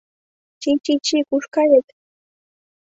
— Чи-чи-чи, куш кает?